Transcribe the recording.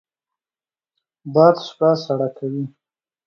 باد شپه سړه کوي